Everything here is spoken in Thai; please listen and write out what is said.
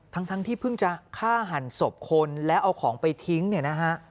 ทั้งที่เพิ่งจะฆ่าหันศพคนแล้วเอาของไปทิ้งเนี่ยนะฮะ